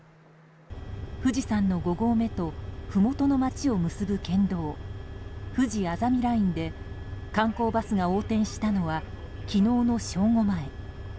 富士山の５合目とふもとの町を結ぶ県道ふじあざみラインで観光バスが横転したのは昨日の正午前。